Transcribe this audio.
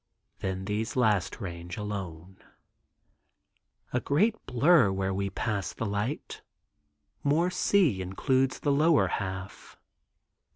Then these last range alone. A great blur where we passed the light, more sea includes the lower half.